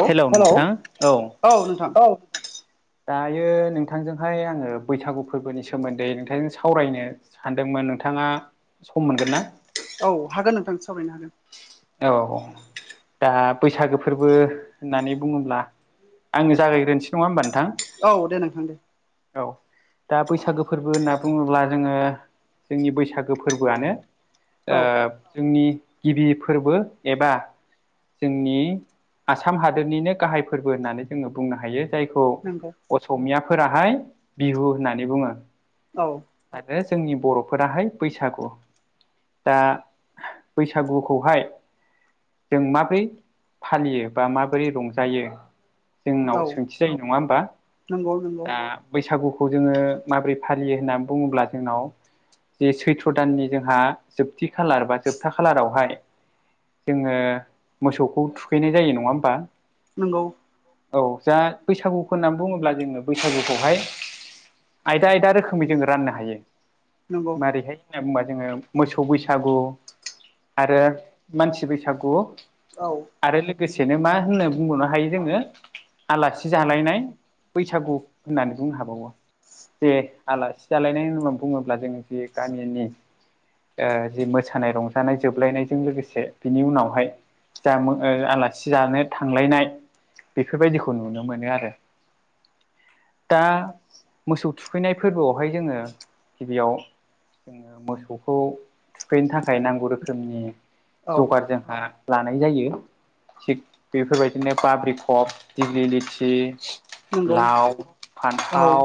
औ हेल' नथां औ औ दायो नोंथांजोंहाय आङो बैसागु फोरबोनि सोमोन्दै नोंथांजों सावरायनो सानदोंमोन नोंथाङा सम मोनगोन ना? औ हागोन नोंथां सावरायनो हागोन। औ दा बैसागो फोरबो होननानै बुङोब्ला आङो जागायग्रोनोसै नङा होमबा नोंथां? औ दे नोंथां दे। औ दा बैसागो फोरबो होनना बुङोब्ला जोङो जोंनि बैसागो फोरबोआनो औ ओ जोंनि गिबि फोरबो एबा जोंनि आसाम हादोरनिनो गाहाय फोरबो होननानै जोङो बुंनो हायो। जायखौ नंगौ असमियाफोराहाय बिहु होननानै बुङो। औ आरो जोंनि बर'फोराहाय बैसागु दा बैसागु खौहाय जों माबोरै फालियो बा माबोरै रंजायो जोंनाव औ सोंथि जायो नङा होमबा? नंगौ नंगौ दा बैसागुखौ जोङो माबोरै फालियो होननानै बुङोब्ला जोंनाव जे सैथ्र' दाननि जोंहा जोबथि खालार बा जोबथा खालारावहाय जोङो मोसौखौ थुखैनाय जायो नङा होमबा? नोंगौ। औ जा बैसागु होननानै बुङोब्ला जोङो बैसागुखौहाय आयदा आयदा रोखोमै जोङो राननो हायो। नंगौ मारैहाय होनना बुंबा जोङो मोसौ बैसागु आरो मानसि बैसागु औ आरो लोगोसेनो मा होननो बुंबावनो हायो जोङो आलासि जालायनाय बैसागु होननानै बुंनो हाबावो। जे आलासि जालायनायनि होननानै बुङोब्ला जों जे गामिनि जि मोसानाय रंजानाय जोबलायनाय जों लोगोसे बिनि उनावहाय जा आलासि जानो थांलायनाय बेफोरबायदिखौ नुनो मोनो आरो। दा मोसौ थुखैनाय फोरबोआवहाय जोङो गिबियाव जोङो मोसौखौ थुखैनो थाखाय नांगौ रोखोमनि औ जगार जोंहा लानाय जायो थिग बेफोरबायदिनो बाब्रिकब दिग्लि लिथि नंगौ लाव, औ फान्थाव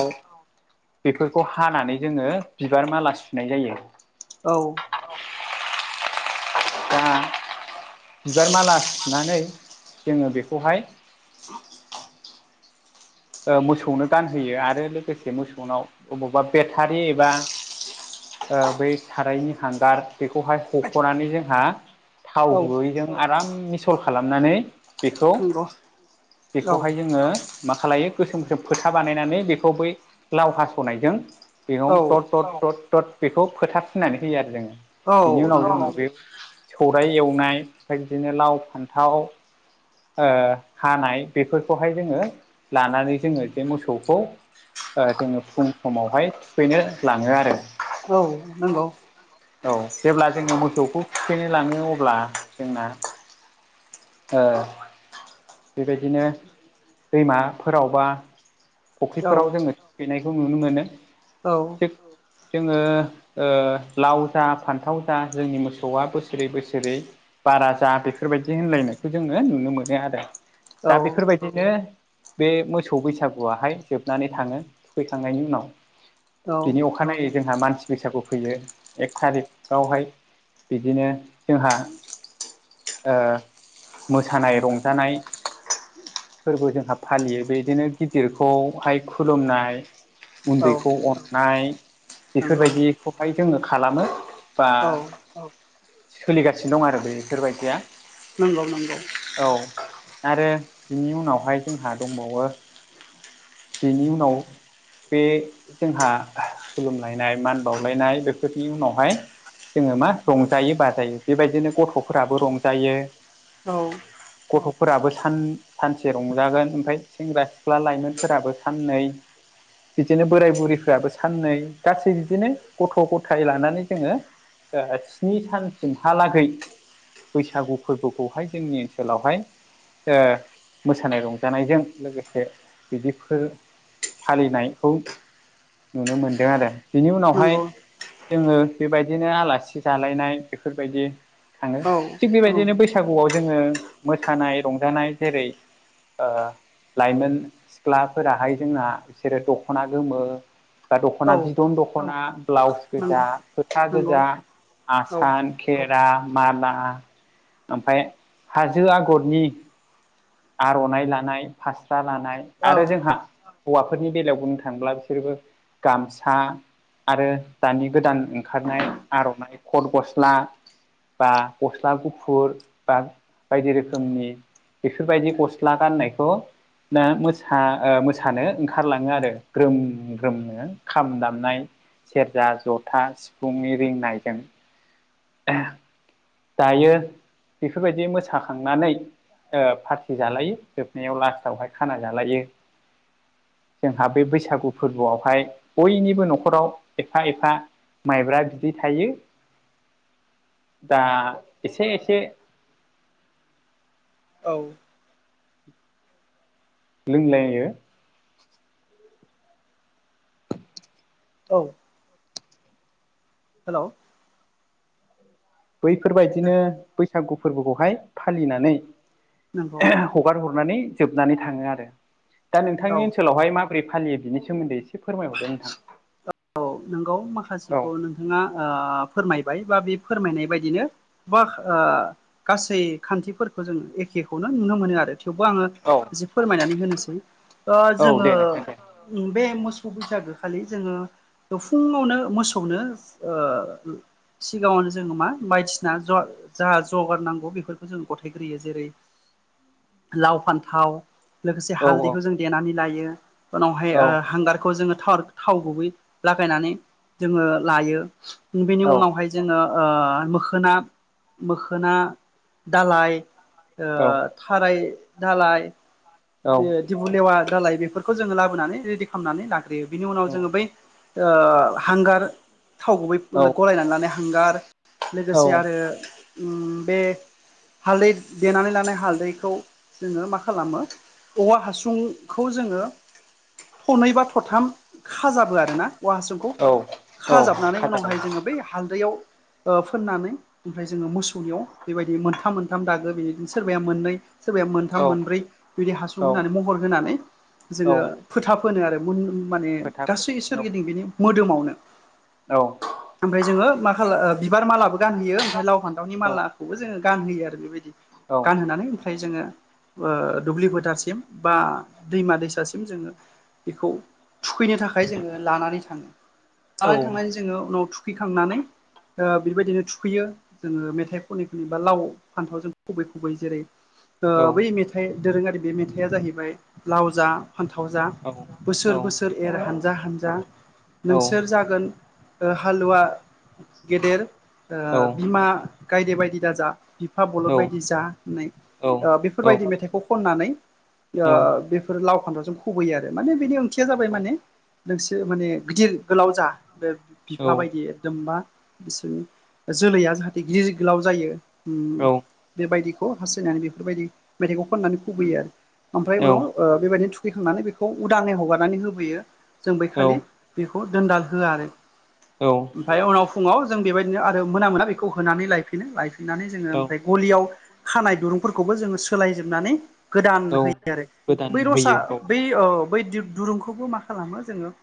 बेफोरखौ हानानै जोङो बिबार माला सुनाय जायो। औ दा बिबार माला सुनानै जोङो बेखौहाय [inaudible] मोसौनो गानहोयो आरो लोगोसे मोसौनाव अबावबा बेटारि एबा बै सारायनि हांगार बेखौहाय हख'नानै जोंहा थाव औ गुबैजों आराम मिसल खालामनानै बेखौ नंगौ औ बेखौहाय जोङो मा खालायो गोसोम गोसोम फोथा बानायनानै बेखौ बै लाव हास'नायजों बेयाव औ थर थर थर बेखौ फोथा फुननानै होयो आरो जोङो औ बिनि उनाव नंगौ जों नंगौ बे सौराय एवनाय ओमफ्राय बिदिनो लाव फान्थाव ओ हानाय बेफोरखौहाय जोङो लानानै जोङो बे मोसौखौ ओ जोङो फुं समावहाय थुखैनो लाङो आरो। औ नंगौ औ जेब्ला जोङो मोसौखौ थुखैनो लाङो अब्ला जोंना ओ बेबायदिनो दैमाफोरावबा औ फुख्रिफोराव जोङो थुखैनायखौ नुनो मोनो। औ थिग जोङो लाव जा फान्थाव जा जोंनि मोसौआ बोसोरै बोसोरै बारा जा बेफोरबायदि होनलायनायखौ जोङो नुनो मोनो आरो। दा औ बेफोरबायदिनो बे मोसौ बैसा गुवाहाय जोबनानै थाङो थुखैखांनायनि उनाव बिनि अखानायै जोंहा मानसि बैसागु फैयो एक थारिकआवहाय बिदिनो जोंहा ओ मोसानाय रंजानाय फोरबो जोंहा फालियो बेदिनो गिदिरखौहाय खुलुमनाय उन्दैखौ अननाय। नंगौ बेफोरबायदिखौहाय जोङो खालामो बा औ सोलिगासिनो दं आरो बेफोरबायदिया नंगौ नंगौ औ आरो बिनि उनावहाय जोंहा दंबावो बेनि उनाव बे जोंहा खुलुमलायनाय मान बावलायनाय बेफोरनि उनावहाय जोङो मा रंजायो बाजायो बेबायदिनो गथ'फोराबो रंजायो औ। गथ'फोराबो सान सानसे रंजागोन ओमफ्राय सेंग्रा सिख्ला लाइमोन फोराबो साननै बिदिनो बोराय बुरैफ्राबो साननै गासै बिदिनो गथ' गथाय लानानै जोङो ओ स्नि सानसिमहालागै बैसागु फोरबोखौहाय जोंनि ओनसोलावहाय ओ मोसानाय रंजानायजों लोगोसे बिदिफोर फालिनायखौ नुनो मोनदों आरो। बिनि उनावहाय नंगौ जोङो बेबायदिनो आलासि जालायनाय बेफोरबायदि थाङो औ थिग बेबायदिनो बै सागुआव जोङो मोसानाय रंजानाय जेरै ओ लाइमोन सिख्लाफोराहाय जोंना बिसोरो दख'ना गोमो बा दख'ना औ बिदन दख'ना ब्लाउस गोजा नंगौ फोथा नंगौ गोजा औ आसान खेरा माला ओमफाय हाजो आगरनि आर'नाइ लानाय फास्रा लानाय औ आरो जोंहा हौवाफोरनि बेलायाव बुंनो थाङोब्ला बिसोरबो गामसा आरो दानि गोदान ओंखारनाय आर'नाइ खद गस्ला बा गस्ला गुफुर बा बायदि रोखोमनि बेफोरबायदि गस्ला गाननायखौ दा मोसा ओ मोसानो ओंखारलाङो आरो ग्रोम ग्रोमनो खाम दामनाय सेरजा, जथा, सिफुंनि रिंनायजों। दायो बेफोरबायदि मोसाखांनानै ओ पारटि जालायो जोबनायाव लास्टावहाय खाना जालायो। जोंहा बे बैसागु फोरबोआवहाय बयनिबो न'खराव एफा एफा माइब्रा बिदै थायो। दा एसे एसे औ। लोंलायो। औ। हेल'। बैफोरबायदिनो बैसागु फोरबोखौहाय फालिनानै नोंगौ। हगार हरनानै जोबनानै थाङो आरो दा औ नोंथांनि ओनसोलावहाय मा बोरै फालियो बिनि सोमोन्दै एसे फोरमायहरदो नोंथां औ औ नोंगौ औ माखासेखौ नोंथाङा ओ फोरमायबाय बा बे फोरमायनाय बायदिनो बा ओ गासै खान्थिफोरखौ जोङो एखेखौनो नुनो मोनो आरो। थेवबो आङो औ जि फोरमायनानै होनोसै ओ औ जोङो दे नोंथां दे बे मोसौ बैसागो खालि जोङो फुङावनो मोसौनो ओ सिगाङावनो जोङो मा बायदिसिना ज' जाहा जगार नांगौ बेफोरखौ जों गथायग्रोयो जेरै लाव फान्थाव। लोगोसे औ हालदैखौ जों देनानै लायो उनावहाय औ ओ हांगारखौ जोङो थाव गुबै लागायनानै जोङो लायो बेनि औ उनावहाय जोङो ओ मोखोना मोखोना दालाय ओ औ थाराय दालाय औ बे दिबु लेवा दालाय बेफोरखौ जोङो लाबोनानै रेडि खालामनानै लाग्रोयो बिनि उनाव जोङो बै ओ हांगार थाव गुबै गलाय लांनानै हांगार औ लोगोसे आरो उम बे हालदै देनानै लानाय हालदैखौ जोङो मा खालामो औवा हासुंखौ जोङो थनै बा थाम खाजाबो आरोना। औवा हासुंखौ औ औ खाजाबनानै खाजा उनावहाय जोङो बै हालदैयाव फोननानै ओमफ्राय जोङो मोसौनियाव बेबायदि मोनथाम मोनथाम दागो बेनो सोरबाया मोननै सोरबाया औ मोनथाम मोनब्रै बिदि हासुं औ होनानै महर होनानै औ जोङो फोथाब फोनो आरो माने फोथा गासै फोनो सोरगिदिं बिनि मोदोमावनो। औ। ओमफ्राय जोङो मा खाला बिबार मालाबो गानहोयो ओमफ्राय लाव फान्थावनि औ मालाखौबो जोङो गानहोयो आरो। बेबायदि औ गानहोनानै फाय जोङो ओ दुब्लि फोथारसिम बा दैमा दैसासिम जोङो बेखौ थुखैनो थाखाय जोङो लानानै थाङो औ लानानै थांनानै जोङो उनाव थु खैखांनानै बेबायदिनो थुखैयो। जोङो मेथाइ खनै खनै बा लाव फान्थाव जों खुबै खुबै जेरै औ बै मेथाइ दोरोङारि बे मेथाइआ जाहैबाय लाव जा फान्थाव जा बोसोर औ बोसोर एर हानजा हानजा नोंसोर जागोन ओ हालुवा गेदेर ओ बिमा गायदे बायदि दाजा। बिफा बलद बायदि जा होननाय ओ बेफोरबायदि मेथाइ खौ खननानै औ ओ बेफोर लाव फान्दावजों खुबैयो आरो माने बेनि ओंथिया जाबाय औ माने नोंसोर माने गिदिर गोलाव जा बे औ बिफा बायदि एकदम मा बिसोरनि जोलैया जाहाथे गिदिर गोलाव जायो उम। बेबायदिखौ हास्थायनानै बेफोरबायदि मेथाइखौ खननानै खुबैयो आरो ओमफ्राय औ उनाव ओ बेबायदिनो थु थैखांनानै बेखौ उदालै हगारनानै होबोयो जों बै खालि औ बेखौ दोनदाल होआ आरो। औ। ओमफ्राय उनाव फुङाव जों बेबायदिनो आरो मोना मोना बेखौ होनानै लायफिनो लायफिननानै जोङो औ ओमफ्राय गलियाव खानाय दुरुंफोरखौबो जोङो सोलायजोबनानै गोदान औ होयो आरो गोदान बै रसा होयो औ बै बै दुरुंखौबो मा खालामो जोङो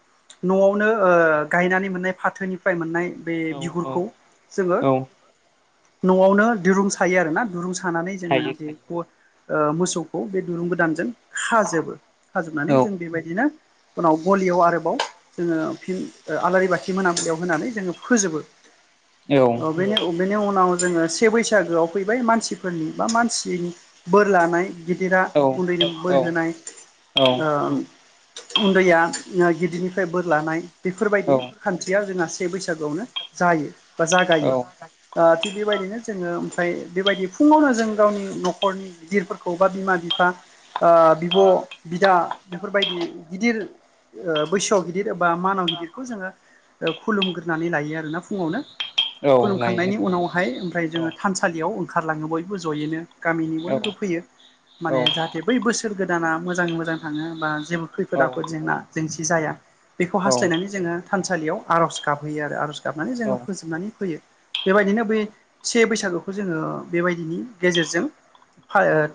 न'आवनो ओ गायनानै मोननाय फाथोनिफ्राय मोननाय बे औ औ बिगुरखौ जोङो औ न'आवनो दिरुं सायो आरोना दिरुं सानानै जोङो सायो सायो बेखौ ओ मोसौखौ बे दुरुं गोदानजों खाजोबो औ खाजोबनानै जों बेबायदिनो उनाव गलियाव आरोबाव जोङो फिन आलारि बाथि मोनाबिलियाव होनानै जोङो फोजोबो। औ बे बेनि उनाव जोङो से बैसागोआव फैबाय मानसिफोरनि बा मानसिनि बोर लानाय। गिदिरा औ उन्दैनो बोर होनाय औ ओ उन्दैया गिदिरनिफ्राय बोर लानाय औ बेफोरबायदि खान्थिया जोंहा से बैसागोआवनो जायो। बा औ जागायो ओ थिग बेबायदिनो जोङो ओमफ्राय बेबायदि फुङावनो जों गावनि न'खरनि गिदिरफोरखौ बा बिमा बिफा ओ बिब' बिदा बेफोरबायदि गिदिर ओ बैसोआव गिदिर बा मानाव गिदिरखौ जोङो खुलुमग्रोनानै लायो आरोना फुङावनो। औ लायो खुलुमखांनायनि उनावहाय ओमफ्राय औ जोङो थानसालियाव ओंखारलाङो बयबो जयैनो। गामिनि औ बयबो फैयो औ माने जाहाथे बै बोसोर गोदाना मोजाङ मोजां थाङो बा जेबो खैफोद आफोद औ जेंना जेंसि जाया बेखौ औ हास्थायनानै जोङो थानसालियाव आर'ज गाबहैयो आरो आर'ज गाब नानै जोङो फोजोबनानै फैयो। बेबायदिनो बै से बैसागोखौ जोङो बेबायदिनि गेजेरजों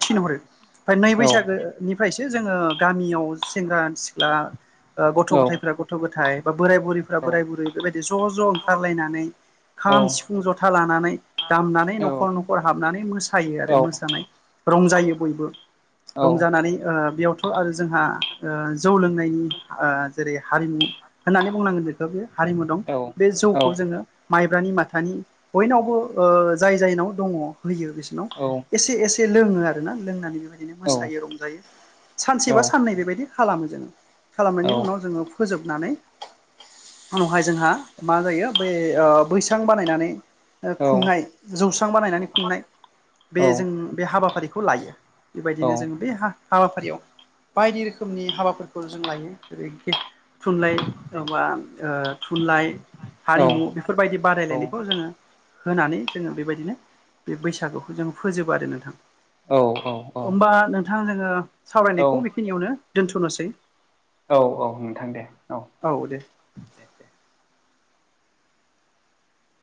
थिनहरो ओमफ्राय नै बैसागोनिफ्रायसो जोङो गामियाव सेंग्रा सिख्ला ओ गथ' गथायफ्रा औ गथ' गथाय बा बोराय बुरैफ्रा बोराय बुरै बेबायदि ज' ज' ओंखारलायनानै औ खाम सिफुं जथा लानानै दामनानै न'खर न'खर हाबनानै मोसायो आरो मोसानाय रंजायो बयबो रंजानानै ओ बेयावथ' आरो जोंहा ओ जौ लोंनायनि ओ जेरै हारिमु होननानै बुंनांगोन जेखौ बे हारिमु दं बे जौखौ जोङो माइब्रानि माथानि बयनावबो ओ जाय जायनाव दङ होयो बिसोरनाव औ एसे एसे लोङो आरो ना लोंनानै बेबायदिनो मोसायो औ रंजायो। सानसे बा साननै बेबायदि खालामो जोङो खालामनायनि उनाव जोङो फोजोबनानै उनावहाय जोंहा माजायो बैस स्रां बानायनानै खुंनाय जौस्रां बानायनानै खुंनाय बे जों बे हाबाफारिखौ लायो बेबायदिनो जों बे हा हाबाफारियाव बायदि रोखोमनि हाबाफोरखौ जों लायो जेरै थुनलाइ माबा ओ थुनलाइ हारिमु बे बेफोरबायदि औ औ बादायलायनायखौ जोङो होनानै जोङो बेबायदिनो बे बैसागुखौ जोङो फोजोबो आरो नोंथां। औ होमबा नोंथां जोङो औ सावरायनायखौ बेखिनियावनो दोनथ'नोसै? औ-औ नोंथां दे औ। औ दे। दे-दे